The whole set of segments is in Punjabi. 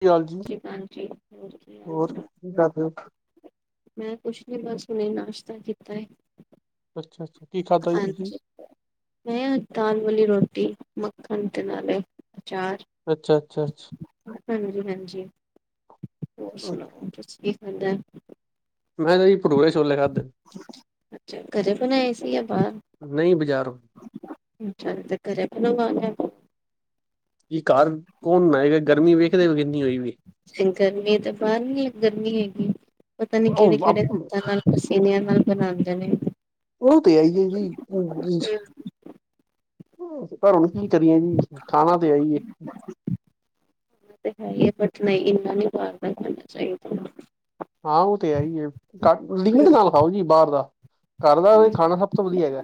ਕੀ ਹਾਲ ਜੀ ਸ਼ਤਾਂ ਜੀ ਹਾਂਜੀ, ਹੋਰ ਕੀ ਹਾਲ ਹੋਰ ਚਾਲ? ਕੀ ਕਰਦੇ ਮੈਂ ਕੁਛ ਨਹੀਂ ਬਸ ਉਨੇ ਨਾਸ਼ਤਾ ਕੀਤਾ ਹੈ ਅੱਛਾ ਅੱਛਾ ਕੀ ਖਾਧਾ ਜੀ ਤੁਸੀਂ ਹਾਂਜੀ ਮੈਂ ਦਾਲ ਵਾਲੀ ਰੋਟੀ ਮੱਖਣ ਤੇ ਨਾਲੇ ਅਚਾਰ ਅੱਛਾ ਅੱਛਾ ਅੱਛਾ ਹਾਂਜੀ ਹਾਂਜੀ ਹੋਰ ਸੁਣਾਓ ਤੁਸੀਂ ਕੀ ਕਰ ਦੇ ਮੈਂ ਕਿਹਾ ਜੀ ਪਟੂਲੇ ਛੋਲੇ ਖਾਧੇ ਅੱਛਾ ਘਰੇ ਬਣਾਏ ਸੀ ਜਾਂ ਨਹੀਂ ਬਜ਼ਾਰੋ ਚੱਲ ਤੇ ਕਰੇ ਪਰੋਣੇ ਕੀ ਕਾਰਰ ਕੌਣ ਨਾਏਗਾ ਗਰਮੀ ਵੇਖਦੇ ਵੀ ਕਿੰਨੀ ਹੋਈ ਵੀ ਗਰਮੀ ਤਾਂ ਬਾਹਰ ਨੀ ਗਰਮੀ ਹੈਗੀ ਪਤਾ ਨੀ ਕਿਹੜੇ ਕਿਹੜੇ ਨਾਲ ਪਸੀਨਿਆਂ ਨਾਲ ਬਣਾਉਂਦੇ ਨੇ ਉਹ ਤੇ ਆਈ ਹੈ ਜੀ ਘੁਣ ਕੀ ਕਰੀਆਂ ਜੀ ਖਾਣਾ ਤੇ ਆਈ ਤੇ ਹੈ ਬਟ ਨਹੀਂ ਇੰਨਾ ਨਹੀਂੀ ਪਾਰਨਾ ਕਰਨਾ ਚਾਹੀਦਾ [inaudible] ਹਾਂ ਉਹ ਤੇ ਹੈ ਹੀ ਹੈ ਕਟਲਿੰਗਡ ਨਾ ਵਖਾਓ ਜੀ ਬਾਹਰ ਦਾ ਘਰ ਦਾ ਖਾਣਾ ਸਭ ਤੋਂ ਵਧੀਆ ਹੈਗਾ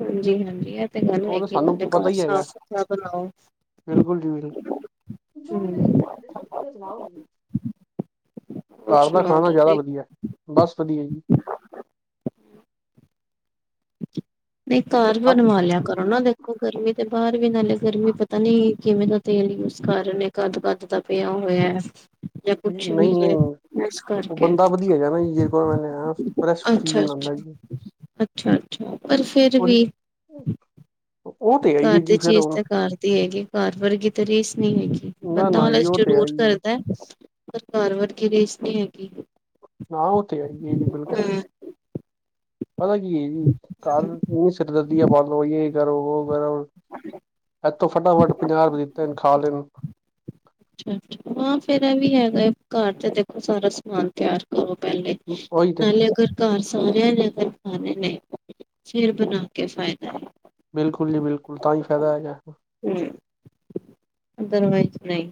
ਹਾਂਜੀ-ਹਾਂਜੀ ਇਹ ਤੇ ਗੱਲ ਉਹ ਤਾਂ ਹੈਗੀ ਇਹਨਾਂ ਸਾਨੂੰ ਦੇ ਪਤਾ ਘਰ ਹੀ ਹੈਗਾ ਸਾਫ ਸੁਥਰਾ ਬਣਾਓ ਬਿਲਕੁਲ ਜੀ ਹੂੰ [inaudible] ਹੋਰ ਘਰ ਦਾ ਸੁਣਾਓ ਖਾਣਾ ਜ਼ਿਆਦਾ ਤੁਸੀਂ? ਵਧੀਆ ਬਸ ਵਧੀਆ ਜੀ ਨਹੀਂ ਘਰ ਬਣਵਾ ਲਿਆ ਕਰੋ ਨਾ ਦੇ ਉਹ ਗਰਮੀ ਦੇ ਬਾਹਰ ਵੀ ਨਾਲੇ ਗਰਮੀ ਪਤਾ ਨੀ ਕਿਵੇਂ ਦਾ ਤੇਲ ਯੂਜ ਕਰ ਰਹੇ ਕੱਦ-ਕੱਦ ਦਾ ਪਿਆ ਓ ਹੋਇਆ ਜਾਂ ਕੁਛ ਨਹੀਂ-ਨਹੀਂ ਵੀ ਹੈ ਇਸ ਉਹ ਕਰਕੇ ਬੰਦਾ ਵਧੀਆ ਜਾ ਨਾ ਜੀ ਜੇ ਕੋਲ ਮੈਂ ਫਰੈਸ਼ ਚੀਜ਼ ਅੱਛਾ-ਅੱਛਾ, ਲਾਇਏ ਅੱਛਾ-ਅੱਛਾ ਪਰ ਫਿਰ ਵੀ ਉਹ ਤੇ ਆਈ ਘਰ ਹੈ ਦੀ ਜੀ ਫੇਰ ਚੀਜ਼ ਤਾਂ ਘਰ ਦੀ ਹੈਗੀ ਘਰ ਵਰਗੀ ਤਾਂ ਰੀਜ਼ ਨਹੀਂ ਹੈਗੀ ਨਾ ਬੰਦਾ ਨਾ ਜੀ ਆਲਸ ਉਹ ਤੇ ਜ਼ਰੂਰ ਆਈ ਕਰਦਾ ਪਰ ਘਾਰ ਵਰਗੀ ਰੀਸ ਨਹੀਂ ਹੈਗੀ ਨਾ ਉਹ ਤੇ ਹੈਗੀਏ ਜੀ ਬਿਲਕੁਲ ਹੂੰ। ਪਤਾ ਕੀ ਹੈ ਜੀ ਘਰ ਇਨੀ ਸਿਰਦਰਦੀਆਂ ਬਾਲੋ ਇਹ ਕਰੋ ਉਹ ਕਰੋ ਇੱਥੋਂ ਫਟਾਫਟ ਪੰਜਾਹ ਰੁਪਏ ਦਿੱਤੇਨ ਖਾ ਲੈਣ ਅੱਛਾ-ਅੱਛਾ ਹਾਂ ਫੇਿਰ ਇਹ ਵੀ ਹੈਗਾ ਘਰ ਤੇ ਦੇਖੋ ਸਾਰਾ ਸਮਾਨ ਤਿਆਰ ਕਰੋ ਉਹੀ ਤੇ ਪਹਿਲੇ-ਪਹਿਲੇ ਅਗਰ ਘਰ ਸਾਰਿਆਂ ਲਿਆ ਕਰ ਹਾਂ ਨਹੀਂ-ਨਹੀਂ ਫਿਰ ਬਣਾ ਕੇ ਫਾਇਦਾ ਹੈ ਬਿਲਕੁਲ ਜੀ ਬਿਲਕੁਲ ਤਾਂ ਹੀ ਫ਼ਾਇਦਾ ਹੈਗਾ ਹਮ ਅਦਰਵਾਈਜ਼ ਨਹੀਂ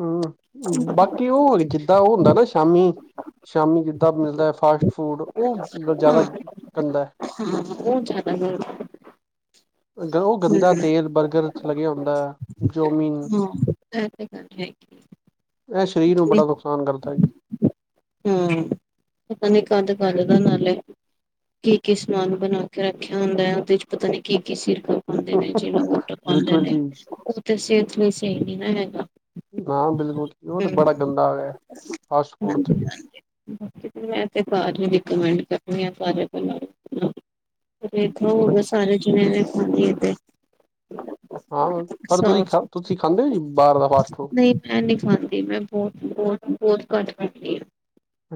ਹਮ ਬਾਕੀ ਉਹ ਜਿੱਦਾਂ ਉਹ ਹੁੰਦਾ ਨਾ ਸ਼ਾਮੀ-ਸ਼ਾਮੀ ਜਿੱਦਾਂ ਮਿਲਦਾ ਫਾਸਟ ਫੂਡ ਉਹ ਜ਼ਿਆਦਾ ਹਾਂ ਗੰਦਾ ਹਾਂ ਉਹ ਜ਼ਿਆਦਾ ਜ਼ ਜੋ ਗੰਦਾ ਤੇਲ ਬਰਗਰ ਚ ਲੱਗਿਆ ਹੁੰਦਾ ਆ ਹਾਂ ਏਤੇ ਹੈ ਇਹ ਸਰੀਰ ਨੂੰ ਬੜਾ ਨੁਕਸਾਨ ਕਰਦਾ ਹੈ ਜੀ ਤਾ ਨਹੀਂ ਕਦ-ਕਦ ਨਾਲੇ ਕੀ-ਕੀ ਸਮਾਨ ਬਣਾ ਕੇ ਰੱਖਿਆ ਹੁੰਦਾ ਹੈ ਉਹਦੇ ਚ ਪਤਾ ਨੀ ਕੀ-ਕੀ ਸਿਰ ਪਾਉਂਦੇ ਨੇ ਜਿਹੜ ਵੋਟ ਪਾਉਂਦੇ ਬਿਲਕੁਲ ਨੇ ਜੀ ਉਹ ਤਾਂ ਸਿਹਤ ਲਈ ਸਹੀ ਨੀ ਨਾ ਹੈਗਾ ਨਾ ਬਿਲਕੁਲ ਉਹ ਤੇ ਹਮ ਬੜਾ ਗੰਦਾ ਫਾਸਟਫੂਡ ਚ- ਹਾਂਜੀ ਹਾਂਜੀ ਬਾਕੀ ਮੈਂ ਤੇ ਘੱਰ ਹੀ ਰਿਕੋਮੈਂਂਟ ਕਰਨੀ ਆ, ਸਾਰੇ ਕੋਲੋਂ ਰੇਖ ਹੋ ਗਏ ਸਾਰੇ ਜਿੰਨਾ ਨੇ ਖਾਣੀਏ ਤੇ ਹਾਂ ਪਰ ਤੁਸੀਂ ਸਾਫ਼ ਖਾ ਤੁਸੀਂ ਖਾਂਦੇ ਹੋ ਜੀ ਬਾਹਰ ਦਾ ਪਾ ਨਹੀਂ ਮੈਂ ਨਹੀਂ ਖਾਂਦੀ ਮੈਂ ਬਹੁਤ-ਬਹੁਤ-ਬਹੁਤ ਘੱਟ ਖਾਂਣੀ ਹਾਂ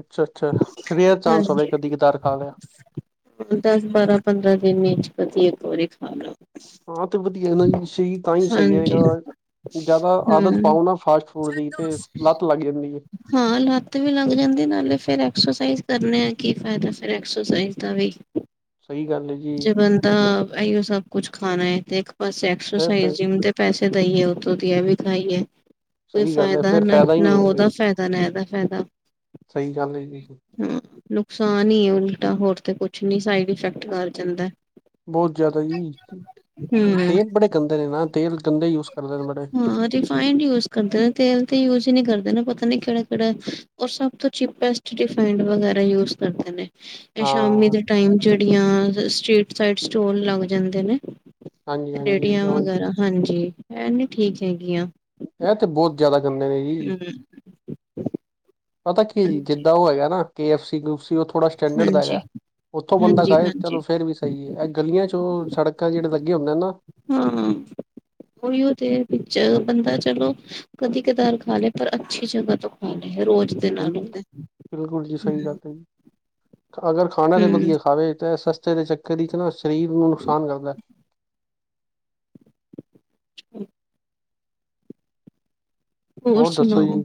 ਅੱਛਾ-ਅੱਛਾ ਰੇਅਰ ਚਾਂਸ ਹੋਵੇ ਹਾਂਜੀ ਕਧੀ ਕਗਾਰ ਖਾ ਲਿਆ ਦਸ ਬਾਰਾਂ ਪੰਦਰਾਂ ਦਿਨ ਵਿੱਚ ਕਦੀ ਇਕ ਵਾਰੀ ਖਾ ਲਯਾ। ਹਾਂ ਤੇ ਵਧੀਆ ਨਾ ਜੀ ਚ ਤਾਂ ਹੀ ਸਹੀ ਹੈ ਹਾਂਜੀ ਜਿਆਦਾ ਆਦਤ ਹਮ ਪਾਓ ਨਾ ਫਾਸਟ ਫੂਡ ਦੀ ਤੇ ਲੱਤ ਲੱਗ ਜਾਂਦੀ ਹੈ ਹਾਂ ਲੱਤ ਵੀ ਲੱਗ ਜਾਂਦੀ ਨਾਲੇ ਫੇਰ ਐਕਸਰਸਾਈਜ਼ ਕਰਨ ਹ ਕੀ ਫਾਇਦਾ ਫਿਰ ਐਕਸਰਸਾਈਜ਼ ਦਾ ਵੀ ਸਹੀ ਗੱਲ ਹੈ ਜੀ ਜੇ ਬੰਦਾ ਇਓ ਸਭ ਕੁਛ ਖਾਣਾ ਤੇ ਇੱਕ ਪਾਸੇ ਫਿਰ ਐਕਸਰਸਾਈਜ਼ ਤੇ ਜਿੰਮ ਦੇ ਪੈਸੇ- ਥ ਦਈਏ ਉਹਥੋਂ ਇਹ ਵੀ ਖਾਈਏ ਕੋਈ ਸਹੀ ਗੱਲ ਹੈ ਫਾਇਦਾ ਫਿਰ ਹੀ ਨਹੀਂ ਨਾ-ਨਾ ਹੋਗਾ ਉਹਦਾ ਫਾਇਦਾ ਨਾ ਇਹਦਾ ਫਾਇਦਾ ਸਹੀ ਗੱਲ ਏ ਜੀ ਹਾਂ ਨੁਕਸਾਨ ਹੀ ਹੈ ਉਲਟਾ ਹੋਰ ਤੇ ਕੁਛ ਨੀ ਸਾਈਡ ਇਫੈਕਟ ਕਰ ਜਾਂਦਾ ਬਹੁਤ ਜਿਆਦਾ ਜੀ ਹਮ ਤੇਲ ਬੜੇ ਗੰਦੇ ਨੇ ਨਾ ਤੇਲ ਗੰਦੇ ਯੂਜ ਕਰਦੇ ਨੇ ਬੜੇ ਹਾਂ ਰਿਫਾਈਡਂ ਯੂਜ ਕਰਦੇ ਨੇ ਤੇਲ ਤੇ ਯੂਜ ਹੀ ਨਹੀਂ ਕਰਦੇ ਨਾ ਪਤਾ ਨੀ ਕਿਹੜਾ-ਕਿਹੜਾ ਰ ਸਭ ਤੋਂ ਚੀਪੈਸਟ ਰਿਫਾਇੰਡ ਵਗੈਰਾ ਯੂਜ ਕਰਦੇ ਨੇ ਤੇ ਹਾਂ ਸ਼ਾਮੀ ਦੇ ਟਾਇਮ ਜੇੜੀਆਂ ਸਟ੍ਰੀਟ ਸਾਇਡ ਸਟੋਰ ਲਗ ਜਾਂਦੇ ਨੇ ਹਾਂਜੀ ਹਾਂਜੀ ਰੇੜੀਆਂ ਉਹੀ ਵਗੈਰਾ ਹਾਂਜੀ ਇਹ ਨੀ ਠੀਕ ਹੈਗੀਆਂ। ਇਹ ਤੇ ਬਹੁਤ ਜ਼ਿਆਦਾ ਗੰਦੇ ਨੇ ਜੀ। ਹਮ ਪਤਾ ਕੇ ਹੈ ਜੀ ਹਾਂਜੀ ਜਿੱਦਾਂ ਉਹ ਹੈਗਾ ਨਾ ਕੇ ਐਫ ਸੀ ਗਰੁੱਪ ਸੀ ਉਥੋਂ ਥੋੜਾ ਸਟੈਂਡਰਡ ਦਾ ਹਾਂਜੀ ਹੈਗਾ, ਉੱਥੋਂ ਬੰਦਾ ਹਾਂਜੀ ਖਾਏ ਚਲੋ ਹਾਂਜੀ ਫੇਰ ਵੀ ਸਹੀ ਹੈ ਇਹ ਗਲੀਆਂ ਚੋਂ ਸੜਕਾਂ ਜਿਹੜੇ ਲੱਗੇ ਹੁੰਦੇ ਨਾ- ਹਾਂ। ਉਹੀਓ ਦੇਰ ਵਿੱਚ ਬੰਦਾ ਚਲੋ ਕਦੀ-ਕਧਾਰ ਖਾ ਲੇ ਪਰ ਅੱਛੀ ਜਗ੍ਹਾ ਤੋਂ ਖਾ ਲੇ। ਰੋਜ਼ ਦੇ ਨਾਲ ਬਿਲ ਹੁੰਦਾ ਬਿਲਕੁਲ ਜੀ ਸਹੀ ਗੱਲ ਹੈ । ਜੀ ਅਗਰ ਖਾਣਾ ਤੇ ਵਧੀਆ ਖਾਵੇ ਚਾਹੇ ਸਸ ਤੇ ਦੇ ਚੱਕਰ ਵਿੱਚ ਨਾ ਸਰੀਰ ਨੂੰ ਨੁਕਸਾਨ ਕਰਦਾ। [unintelligible] ਹੋਰ ਦੱਸੋ ਜੀ ਸੁਣਾੋਓ।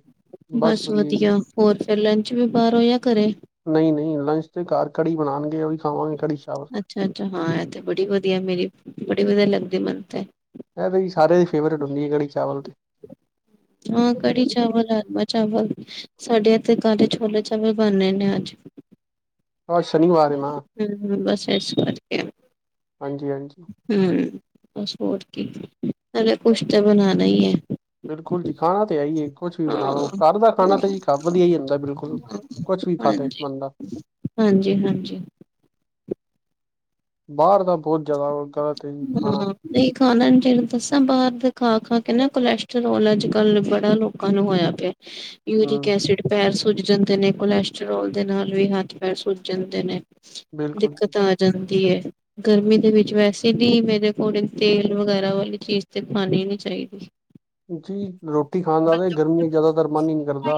ਬਸ ਵਧੀਆ ਹੋਰ ਫਿਰ ਲੰਚ ਵੀ ਬਾਹਰੋ ਤਾਂ ਘੱਰੇ। ਨਹੀਂ ਨਹੀਂ ਲੰਚ ਤੇ ਘਰ ਕੜੀ ਬਣਾਣਗੇ ਉਹ ਵੀ ਖਾਵਾਂਗੇ ਕੜੀ। ਚਾਵਲ ਅੱਛਾ, ਅੱਛਾ ਹਾਂ ਇਹ ਤੇ ਬੜੀ ਵਧੀਆ ਮੇਰੀ ਬੜੀ ਵਧੀਆ ਲੱਗਦੀ ਮੈਨ ਤੇ ਇਹ ਬਈ ਸਾਰੇਆਂ ਦੀ ਫੇਵਰੇਟ ਹੁੰਦੀ ਹੈ ਕੜੀ ਚਾਵਲ ਤੇ ਹਾਂ ਅੱਜ ਕੜੀ-ਚਾਵਲ, ਰਾਜਮਾ‌-ਚਾਵਲ ਸਾਡੇ ਇੱਥੇ ਕਾਲੇ ਛੋਲੇ-ਚਾਵਲ ਵੇੇ ਬਣੇ ਨੇ ਅੱਜ। ਉਹ ਅੱਜ ਸ਼ਨੀਵਾਰ ਏ ਨਾ। ਹੂੰ ਬਸ ਇਸ ਕਰਕੇ। ਹਾਂਜੀ-ਹਾਂਜੀ। ਹੂੰ ਬਸ ਹੋਰ ਕਿ ਨਾਲੇ ਕੁਛ ਤਾਂ ਬਣਾਣਾ ਹੀ ਹੈ। ਬਿਲਕੁਲ ਜੀ ਖਾਣਾ ਤੇ ਹੈ‌ ਹੀ ਏ ਕੁਛ ਵੀ ਬਣਾ ਹਾਂ ਲਓ ਘੱਰ ਦਾ ਖਾਣਾ ਤਾਂ ਹਾਂ, ਜੀਾ ਵਧੀਆ ਹੀ ਹੁੰਦਾ ਬਿਲਕੁਲ ਕੁਛ ਵੀ ਖਾਤੇ ਬੰਦਾ ਹਾਂਜੀ- ਹਾਂਜੀ। ਬਾਹਰ ਤਾਂ ਬਹੁਤ ਜ਼ਿਆਦਾ ਹੋ ਕਾ ਹੂੰ ਹਾਂ ਨਹੀਂ। ਖਾਣਾ ਨੂੰ ਜਿਹੜਾ ਦੱਸਾਂ ਬਾਹਰ ਦੇ ਖਾ-ਖਾ ਕੇ ਨਾ ਕੋਲੈਸਟਰ੍ਰੋਲ ਅੱਜ-ਕੱਲ ਬੜਾ ਲੋਕਾਂ ਨੂੰ ਹੋਇਆ ਪਿਆ। ਯੂਰਿਕ ਹੂੰ ਐਸਿਡ ਪੈਰ ਸੁੱਜ ਜਾਂਦੇ ਨੇ ਕੋਲੈਸਟਰ੍ਰੋਲ ਦੇ ਨਾਲ ਵੀ ਹੱਥ ਪੈਰ ਸੁੱਜ ਜਾਂਦੇ ਨੇ। ਬਿਲਕੁਲ ਦਿੱਕਤ ਆ ਜਾਂਦੀ ਏ ਗਰਮੀ ਦੇ ਵਿੱਚ ਵੈਸੇ ਜਦੀ ਮੇਰੇ ਅਕੋਰਡਿੰਗ ਤੇਲ ਵਗੈਰਾ ਵਾਲੀ ਚੀਜ਼ ਤੇ ਖਾਣੀ ਨੀ ਚਾਹੀਦੀ। ਜੀ ਰੋਟੀ ਖਾਦਾ ਤਾਂ ਗਰਮੀਆਂ ਜ਼ਿਆਦਾਤਰ ਮਨ ਹੀ ਨੀ ਕਰਦਾ।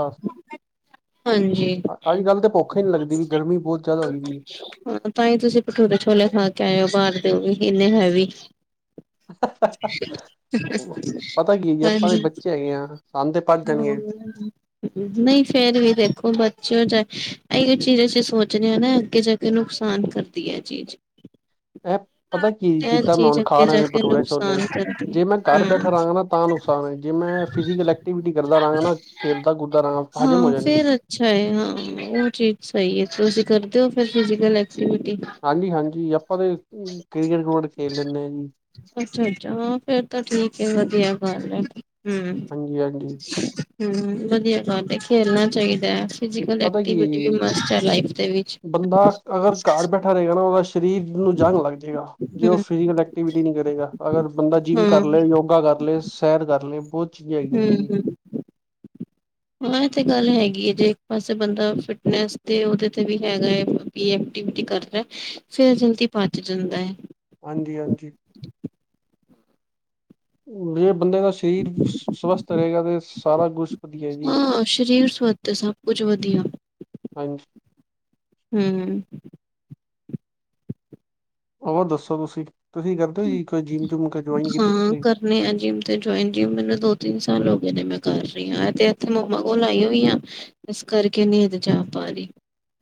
ਹਾਂਜੀ ਅੱਜ ਕੱਲ੍ਹ ਤਾਂ ਭੁੱਖੇ ਹੀ ਨਹੀਂ ਲੱਗਦੀ ਵੀ ਗਰਮੀ ਬਹੁਤ ਜ਼ਿਆਦਾ ਹੋਈ ਦੀ ਏ। ਹਾਂ ਤਾਂ ਹੀ ਤੁਸੀਂ ਭਟੂਰੇ ਛੋਲੇ ਖਾ ਕੇ ਆਏਓ ਬਾਹਰ ਦਿਓ ਵੀ ਇੰਨੇ ਹੈਵੀ ਪਤਾ ਕੀ ਹੈ ਜੀ ਆਪਾਂ ਦੇ ਹਾਂਜੀ ਬੱਚੇ ਹੈਗੇ ਆ ਸਾਨੂੰ ਤੇ ਭੱਜ ਹੂੰ। ਜਾਣਗੇ ਨਹੀਂ ਫੇਰ ਵੀ ਦੇਖੋ ਬੱਚ ਅੱਛੇ ਹੋ ਚਾਏ ਇਹੀਓ ਚੀਜ਼ ਅਸੀਂ ਸੋਚਦੇ ਹਾਂ ਨਾ ਅੱਗੇ ਜਾ ਕੇ ਨੁਕਸਾਨ ਕਰਦੀ ਹੈ ਇਹ ਚੀਜ਼। ਐਪ ਪਤਾ ਕੀ ਜਿੱਦਾਂ ਮੈਂ ਹੁਣ ਖਾ ਅੱਗੇ ਲੈ ਜਾ ਨੇ ਕੇ ਬਟੂਲੇ ਛੋਲੇ ਨੁਕਸਾਨ ਕਰਦੀ ਜੇ ਮੈਂ ਹੈ ਘਰ ਹਾਂ ਬੈਠਾ ਰਹਾਂਗਾ ਨਾ ਤਾਂ ਨੁਕਸਾਨ ਹੋਏ ਜਿੰਮ ਮੈਂ ਫਿਜ਼ਕਲ ਐਕਟੀਵਿਟੀ ਕਰਦਾ ਰਹਾਂਗਾ ਨਾ ਖੇਲਦਾ ਕੁਦਦਾ ਰਹਾਂ ਹਜ਼ਮ ਹੋ ਹਾਂ ਜਣ ਗੇ। ਫੇਰ ਅੱਛਾ ਹੈ ਹਾਂ ਉਹ ਚੀਜ਼ ਸਹੀ ਹੈ, ਤੁਸੀਂ ਕਰਦੇ ਹੋ ਫਿਜੀਕਲ ਐਕਟੀਵਿਟੀ। ਹਾਂਜੀ, ਹਾਂਜੀ ਆਪਾਂ ਤੇ ਕ੍ਰਿਕਟ ਕ੍ਰਿਕਟ ਖੇਲ ਲੈਂਦੇ ਹਾਂ ਜੀ। ਅੱਛਾ, ਅੱਛਾ ਫੇਰ ਤਾਂ ਠੀਕ ਵਧੀਆ ਗੱਲ ਹੈ। ਹਮ, ਹਾਂਜੀ ਹਾਂਜੀ ਹਮ ਵਧੀਆ ਗੱਲ ਏ ਖੇਲਣਾ ਚਾਹੀਦਾ। ਫਿਜ਼ਕਲ ਪਤਾ ਕੀ ਹੈ ਐਕਟੀਵਿਟੀ ਵੀ ਮਸਟ ਹੈ ਲਾਈਫ ਦੇ ਵਿੱਚ ਜੀ ਬੰਦਾ ਅਗਰ ਘਰ ਬੈਠਾ ਰਹੇਗਾ ਨਾ ਉਹਦਾ ਸ਼ਰੀਰ ਨੂੰ ਜੰਗ ਲੱਗ ਜਾਏਗਾ ਜੇ ਉਹ ਹੂੰ-ਹੂੰ-ਹੂੰ-ਹੂੰ ਫਿਜ਼ਕਲ ਐਕਟੀਵਿਟੀ ਨਹੀਂ ਕਰੇਗਾ ਅਗਰ ਬੰਦਾ ਜਿੰਮ ਕਰ ਹਾਂ ਲਏ ਯੋਗਾ ਕਰ ਲਏ। ਸੈਰ ਕਰ ਲਈਏ ਬਹੁਤ ਚੀਜ਼ਾਂ ਹੈਗੀਆਂ ਨੇ ਜੀ। ਹੂੰ-ਹੂੰ, ਹਾਂ ਇਹ ਤੇ ਗੱਲ ਹੈਗੀ ਹੈ, ਜੇ ਇੱਕ ਪਾਸੇ ਬੰਦਾ ਫਿਟਨੈਸ ਤੇ ਉਹਦੇ ਤੇ ਵੀ ਹੈਗਾ ਹੈ। ਐਕਟੀਵਿਟੀ ਕਰਦਾ ਫੇਰ ਜਲਦੀ ਪਚ ਜਾਂਦਾ ਹੈ। ਹਾਂਜੀ ਹਾਂਜੀ। ਬੰਦੇ ਦਾ ਸਰੀਰ ਸਵਸਥ ਰਹੇਗਾ ਤੇ ਸਾਰਾ ਕੁਛ ਵਧੀਆ ਜੀ। ਰ ਸਰੀਰ ਸਵੱਥ ਸਭ ਕੁਛ ਵਧੀਆ। ਹਾਂਜੀ। ਹਮ। ਉਹ ਦੱਸੋ ਤੁਸੀਂ ਤੁਸੀਂ ਕਰਦੇ ਹੋ ਜੀ। ਕੋਈ ਜਿੰਮ ਜੁਮ ਕ ਜੁਆਇਨ ਕੀਤੀ ਹਾਂ ਤੁਸੀਂ ਕਰਨੇ ਅਜੀਮ ਤੇ ਜੋਇੰਜੀਮ ਮੈਨੂੰ ਦੋ ਤਿੰਨ ਸਾਲ ਹੋ ਗਏ ਨੇ ਮੈਂ ਕਰ ਰਹੀ ਹ ਤੇ ਇੱਥੇ ਮੰਮਾ ਕੋ ਲਾਈ ਹੋਈ ਆ ਇਸ ਕਰਕੇ ਨੀਂਦ ਜਾ ਪਾ ਰਹੀ।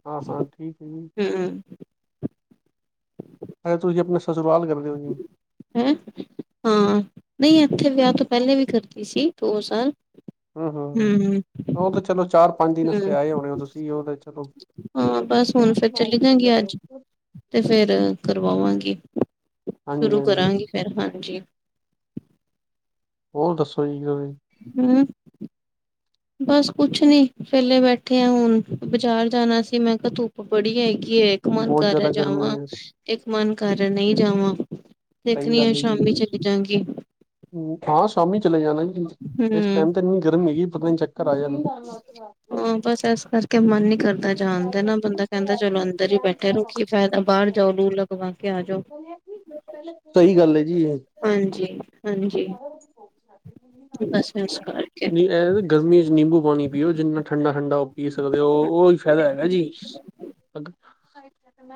ਹਾਂ ਹਾਂ ਠੀਕ ਹੈ ਜੀ ਹਮ ਅ ਤੁ ਜੀ ਆਪਣੇ ਸ ਸੁਰਆਾਲ ਕਰਦੇ ਹੋ ਜ। ਹੈਂ ਹਾਂ ਨਹੀਂ ਇੱਥੇ ਵਿਆਹ ਤੋਂ ਪਹਿਲੇ ਵੀ ਕਰਦੀ ਸੀ ਦੋ ਸਾਲ। ਹਮ ਹਮ ਉਹ ਤੇ ਚਲੋ ਚਾਰ ਪੰਜ ਹਮ ਨਸਤੇ ਆਏ ਹੋਣੇ ਹੋ ਤੁਸੀ ਉਹ ਚਲੋ ਹਾਂ ਬਸ ਹੁਣ ਫਿਰ ਚਲੀ ਜਾਂਗੀ ਅੱਜ ਤੇ ਫੇਰ ਕਰਵਾਵਾਂਗੀ ਹਾਂਜੀ ਸ਼ੁਰੂ ਹਾਂਜੀ ਕਰਾਂਗੀ ਫੇਰ ਹਾਂਜੀ। ਹੋਰ ਦੱਸੋ ਜੀ। ਹਮ। ਬਸ ਕੁਛ ਨੀ ਪਲੇ ਬੈਠੇ ਆ ਹੁਣ ਬਾਜ਼ਾਰ ਜਾਣਾ ਸੀ ਮੈਂ ਕਿਹਾ ਧੁੱਪ ਬੜੀ ਹੈਏਗੀ। ਕੀ ਇੱਕ ਮਨ ਬਹੁਤ ਕਰਹਾ ਜ਼ਿਆਦਾ ਜਾਵਾਂ ਗਰਮੀ ਹੈ ਇੱਕ ਮਨ ਕਰ ਰਿਹਾ ਨਹੀਂ ਜਾਵਾਂ। ਦੇਖਣੀ ਆ ਸ਼ਾਮੀ ਚਲੇ ਜਾਗੀ। ਹਮ ਹਾਂ ਸ਼ਾਮੀ ਚਲੇ ਜਾਣਾ। ਇਸ ਹੂੰ ਟਾਈਮ ਤੇ ਇੰਨੀ ਗਰਮੀ ਹੈਗੀ ਪਤਾ ਚੱਕਰ ਆ ਜਾ-' ਹਾਂ ਬਸ ਇਸ ਕਰਕੇ ਮਨ ਕਰਦਾ ਜਾਣਦਾ ਨਾ ਬੰਦਾ ਕਹਿੰਦਾ ਚਲੋ ਅੰਦਰ ਹੀ ਬੈਠੇ ਰੁ ਕੀ ਫਾਇਦਾ ਬਾਹਰ ਜਾਓ ਦੂਰ ਲਗਵਾ ਕੇ ਆ ਜਾਓ। ਸਹੀ ਗੱਲ ਹੈ ਜੀ। ਹਾਂਜੀ ਹਾਂਜੀ। ਬਸ ਇਸ ਕਰਕੇ ਨਹੀਂ ਇਹ ਗਰਮੀ ਚ ਨਹੀਂ ਨਿੰਬੂ ਪਾਣੀ ਪੀਓ ਜਨਾ ਠੰਡਾ ਠੰਡਾ ਉਹ ਪੀ ਸਕਦੇ ਹੋ। ਫਾਇਦਾ ਹੈਗਾ ਜੀ।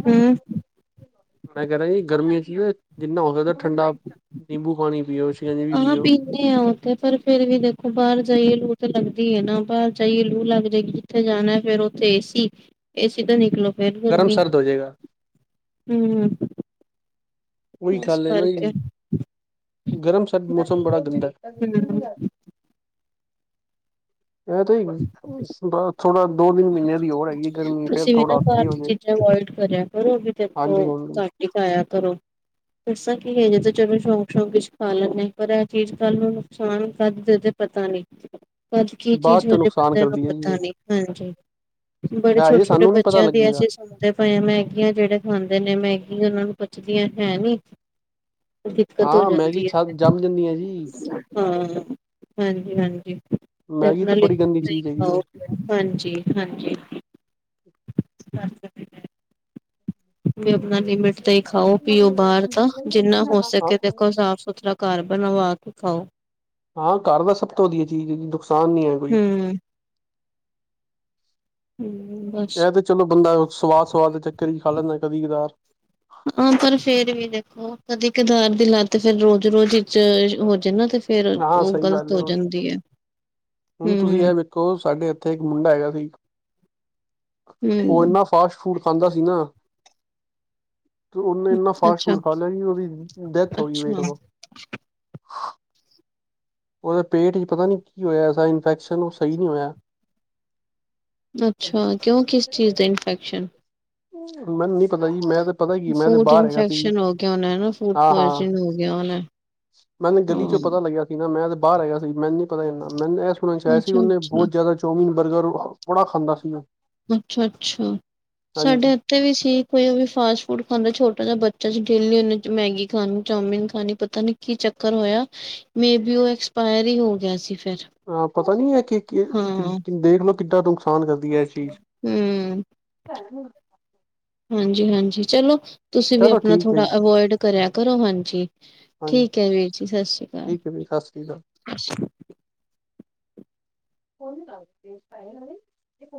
ਹੂੰ ਮੈਂ ਕਹਿ ਰਿਹਾ ਜੀ ਗਰਮੀਆਂ ਚ ਜਿੰਨਾ ਹੋ ਸਕਦਾ ਠੰਡਾ ਨਿੰਬੂ ਪਾਣੀ ਪੀਓ। ਸ਼ਿਕੰਜਵੀ ਆਹ ਪੀਓ ਪੀਂਦੇ ਆਾਂ ਉੱਥੇ ਪਰ ਫੇਰ ਵੀ ਦੇਖੋ ਬਾਹਰ ਜਾਈਏ ਲੂਟ ਲੱਗਦੀ ਹੈ ਨਾ। ਬਾਹਰ ਜਾਈਏ ਲੂ ਲੱਗ ਜਾਏਗੀ ਜਿੱਥੇ ਜਾਣਾ ਫੇਰ ਉੱਥੇ ਏਸੀ ਏਸੀ ਦਾ ਨਿਕਲੋ ਫੀਰ ਗਰਮ ਗਰਮੀ ਸਰਦ ਹੋ ਜਾਏਗਾ ਹਮ ਉਹੀ ਖੱਲ ਹੈ ਨਾ ਜੀ। ਗਰਮ ਸਰਦ ਮੌਸਮ ਬੜਾ ਗੰਦਾ। ਹੂੰ ਇਹ ਤੁਹੀ ਬੜਾ ਥੋੜਾ ਦੋ ਤਿੰਨ ਮਹੀਨਿਆਂ ਦੀ ਹੋਰ ਹੈਗੀ ਗਰਮੀ ਫੇਿਰ ਥੋੜਾ ਸਹੀ ਹੋ ਜਾਏ। ਓਹ ਵੀ ਦੇਖੋ ਹਾਂਜੀ ਹਾਂਜੀ ਘਟ ਖ਼ਾਯਾਂ ਕਰੋ ਦੱਸਾਂ ਕੀ ਹੈ ਜ ਤੇ ਚਲੋ ਸ਼ੌਕ ਸ਼ੌਂਕ ਚ ਖਾ ਲੈਂਦੇ ਹ ਪਰ ਇਹ ਚੀਜ਼ ਕੱਲ ਨੂੰ ਨੁਕਸਾਨ ਕਰਦੇ ਤੇ ਪਤਾ ਨੀ ਅੱਜ ਕੀ ਬਾਅਦ ਚੀਜ਼ ਚੋਂ ਵਜੇ ਨੁਕਸਾਨ ਬੰਦੇ ਨੂੰ ਕਰਦੀ ਹੈ ਜੀ ਪਤਾ ਨੀ ਹਾਂਜੀ। ਬੜੇ ਹੈ ਛੋਟੇ ਜੀ ਛੋਟੇ ਸਾਨੂੰ ਨੀ ਪਤਾ ਬੱਚਿਆਂ ਦੀ ਲੱਗੇਗਾ ਅਸੀਂ ਸੁਣਦੇ ਪਏ ਹਾਂ ਮੈਗੀਆਂ ਜਿਹੜੇ ਖਾਂਦੇ ਨੇ ਮੈਗੀ ਉਹਨਾਂ ਨੂੰ ਪੁੱਚਦੀਆਂ ਹੈ ਨੀ ਦਿੱਕਤ ਹੋ ਹਾਂ ਮੈਗੀ ਜਾਂਦੀ ਛ ਹੈ ਜੰਮ ਜਾਂਦੀ ਹੈ ਜੀ ਫੇਰ ਹਾਂ ਹਾਂਜੀ ਹਾਂਜੀ। ਤੇ ਮੈਗੀ ਆਪਣਾ ਤਾਂ ਲਾਈਕ ਬੜੀ ਗੰਦੀ ਚੀਜ਼ ਹੈਗੀ ਹੈ ਖਓ ਪੀਓ ਹਾਂਜੀ। ਹਾਂਜੀ ਆਪਣਾ ਲਮ [unintelligible] ਤੇ ਹੀ ਖਾਓ ਪੀਓ ਬਾਹਰ ਤਾਂ ਜਿੰਨਾ ਹੋ ਸਕੇ ਦੇਖੋ ਸਾਫ਼ ਸੁਥਰਾ ਘਰ ਬਣਵਾ ਕੇ ਦਿਖਾਓ। ਹਾਂ ਘਰ ਦਾ ਸਭ ਤੋਂ ਵਧੀਆ ਚੀਜ਼ ਨੁਕਸਾਨ ਨਹੀਂ ਹੈ ਕੋਈ। ਹੂੰ ਹੂੰ ਬਸ ਇਹ ਤੇ ਚਲੋ ਬੰਦਾ ਸਵਾਦ ਸਵਾਦ ਦੇ ਚੱਕਰ ਹੀ ਖਾ ਲੈਂਦਾ ਕਦੀ ਕਦਾਰ। ਹਾਂ ਪਰ ਫੇਰ ਵੀ ਦੇਖੋ ਕਦੀ ਕਦਾਰ ਦੀ ਲੱਤ ਫੇਿਰ ਰੋਜ਼ ਰੋਜ਼ ਵਿੱਚ ਹੋ ਜਾਇ ਨਾ ਤੇ ਫੇਿਰ ਹਾਂ ਉਹ ਸਹੀ ਗੱਲ ਗ਼ਲਤ ਹੈ ਹੋ ਉਹ ਤੇ ਜਾਂਦੀ ਹੈ ਹੁਣ ਤੁਸੀਂ ਹੂੰ, ਇਹ ਵੇਖੋ ਸਾਡੇ ਇੱਥੇ ਇੱਕ ਮੁੰਡਾ ਹੈਗਾ ਸੀ ਉਹ ਹੂੰ ਇੰਨਾ ਫਾਸਟ ਫੂਡ ਖਾਂਦਾ ਸੀ ਨਾ ਤੇ ਉਹਨੇ ਇੰਨਾ ਫਾਸਟ ਅੱਛਾ, ਫੂਡ ਖਾ ਲਿਆ ਕਿ ਉਹਦੀ ਡੈਥ ਹੋ ਗਈ ਵੇਖ ਅੱਛਾ। ਲਓ ਉਹਦੇ ਪੇਟ ਚ ਪਤਾ ਨਹੀਂ ਕੀ ਹੋਇਆ ਐਸਾ ਇਨਫੈਕਸ਼ਨ ਉਹ ਸਹੀ ਨਹੀਂ ਹੋਇਆ ਅੱਛਾ ਕਿਉਂ ਕਿਸ ਚੀਜ਼ ਦੀ ਇਨਫੈਕਸ਼ਨ ਮੈਨੂੰ ਨੀ ਪਤਾ ਜੀ ਮੈਂ ਤੇ ਪਤਾ ਕੀ ਮੈਂ ਤੇ ਫੂਡ ਬਾਹਰ ਹੈਗਾ ਸੀ ਇਨਫੈਕਸ਼ਨ ਹੋ ਗਿਆ ਹੋਣਾ ਨਾ ਫੂਡ ਹਾਂ ਹਾਂ ਪੁਆਇਜਨ ਹੋ ਗਿਆ ਹੋਣਾ ਮੈਨੂੰ ਗਲੀ ਚੋਂ ਹਾਂ ਪਤਾ ਲੱਗਿਆ ਸੀ ਨਾ ਮੈਂ ਬਾਹਰ ਆਇਆ ਸੀ ਮੈਨੂੰ ਨੀ ਪਤਾ ਜਾਂਨਾ ਮੈਨੂੰ ਚਾਹਆ ਸੀ ਉਹਨੇ ਅੱਛਾ-ਅੱਛਾ, ਬਹੁਤ ਜ਼ਿਆਦਾ ਚੌਮੀਨ ਬਰਗਰ ਬੜਾ ਖਾਂਦਾ ਸੀ ਉਹ ਅੱਛਾ ਅੱਛਾ ਹਾਂਜੀ ਸਾਡੇ ਇੱਥੇ ਵੀ ਸੀ ਕੋਈ ਉਹ ਵੀ ਫਾਸਟ ਫੂਡ ਖਾਂਦਾ ਛੋਟਾ ਜਿਹਾ ਬੱਚਾ ਜਿੱਥੇ ਚ ਮੈਗੀ ਖਾਣੀ ਚੋਮਿਨ ਖਾਣੀ ਪਤਾ ਨੀ ਕੀ ਚੱਕਰ ਹੋਇਆ ਮੇ ਬੀ ਓਹ ਐਕਸਪਾਇਰੀ ਇਹ ਵੀ ਹੋ ਸੀ ਫਿਰ ਹਾਂ ਪਤਾ ਨੀ ਹੈ ਕਿ ਕੀ ਦੇਖਲੋ ਕਿੱਡਾ ਦੂਖ ਖਾਨ ਕਰਦੀ ਹੈ ਇਹ ਚੀਜ਼ ਹੂੰ। ਜਿਵੇਂ ਹਾਂਜੀ ਚਲੋ ਤੁਸੀਂ ਵੀ ਚਲੋ ਆਪਣਾ ਠੀਕ ਹੈ ਥੋੜਾ ਜੀ ਅਵੋਇਡ ਕਰਿਆ ਕਰੋ ਹਾਂਜੀ ਹਾਂਜੀ ਠੀਕ ਹੈ ਵੀਰ ਜੀ ਸਤਿ ਸ਼੍ਰੀ ਅਕਾਲ ਠੀਕ ਹੈ ਅੱਛਾ ਹਣ ਦੱਸ ਦਈਏ